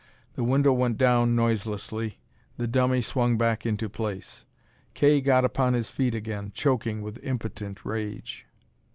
The window went down noiselessly, the dummy swung back into place. Kay got upon his feet again, choking with impotent rage.